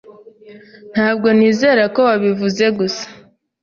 Ntabwo nizera ko wabivuze gusa.